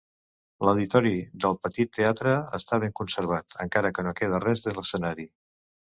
L"auditori del petit teatre està ben conservat, encara que no queda res de l"escenari.